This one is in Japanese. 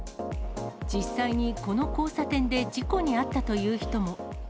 実際にこの交差点で事故に遭ったという人も。